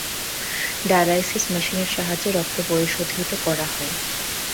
Dialysis মেশিনের সাহায্যে রক্ত পরিশোধিত করা হয়।